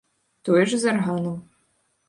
Тое ж і з арганам.